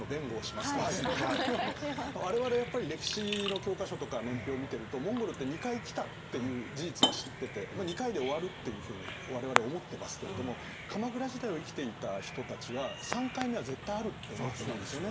我々やっぱり歴史の教科書とか年表を見てるとモンゴルって２回来たっていう事実は知ってて２回で終わるっていうふうに我々思ってますけれども鎌倉時代を生きていた人たちは３回目は絶対あるって思ってたんですよね。